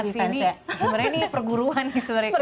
banget sih ini sebenarnya ini perguruan nih sebenarnya